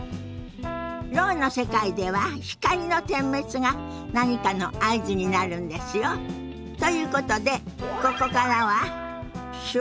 ろうの世界では光の点滅が何かの合図になるんですよ。ということでここからは「手話っとストレッチ」のお時間ですよ。